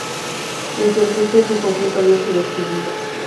La inflorescencia es un conjunto abierto de espiguillas.